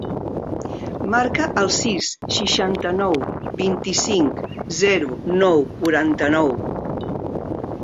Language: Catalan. Marca el sis, seixanta-nou, vint-i-cinc, zero, nou, quaranta-nou.